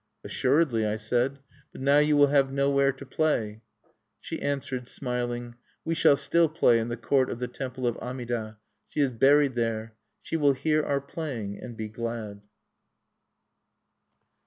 "Assuredly," I said. "But now you will have nowhere to play." She answered, smiling: "We shall still play in the court of the temple of Amida. She is buried there. She will hear our playing, and be glad."